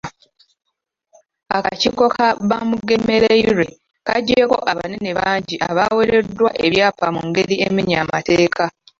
Akakiiko ka Bamugemereire kaggyeeyo abanene bangi abaweereddwa ebyapa mu ngeri emenya amateeka.